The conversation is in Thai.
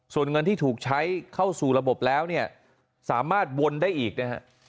ส่วนเงินที่ถูกใช้เข้าสู่ระบบแล้วเนี่ยสามารถวนได้อีกนะฮะ